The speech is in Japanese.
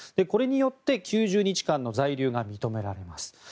これによって９０日間の在留が認められます。